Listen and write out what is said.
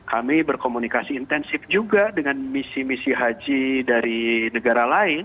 kami berkomunikasi intensif juga dengan misi misi haji dari negara lain